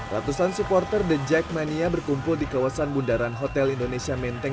ratusan supporter the jackmania berkumpul di kawasan bundaran hotel indonesia menteng